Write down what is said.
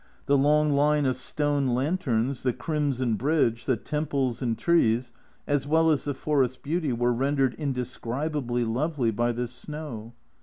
The long line of stone lanterns, the crimson bridge, the temples and trees, as well as the forest beauty, were rendered indescribably lovely by this snow.